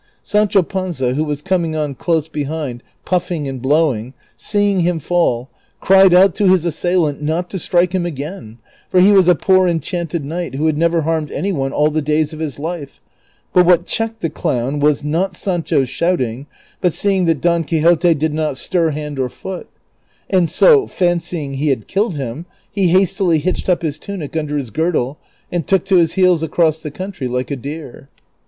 Sancho Panza, Avho Avas coming on close behind piiffing and bloAving, seeing him fall, cried out to his assailant not to strike him again, for he Avas a poor enchanted knight, Avho had never harmed any one all the days of his life ; but Avliat checked the cloAvn Avas, not Sancho's shouting, but seeing that Don CIIAPTEU LI I. 437 Quixote did not stir hand or foot; and so, fancying he had killed him, he hastily hitched up his tunic under his girdle and took to his heels across the country like a deer.